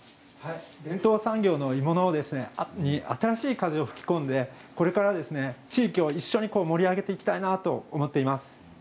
伝統産業のものに新しい風を吹き込んでこれから一緒に地域を盛り上げていきたいなと思っています。